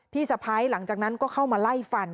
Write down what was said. สะพ้ายหลังจากนั้นก็เข้ามาไล่ฟัน